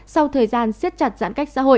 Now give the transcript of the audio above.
sau thời gian siết chặt giãn cách xã hội